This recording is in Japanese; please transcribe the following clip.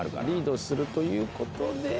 リードするということで。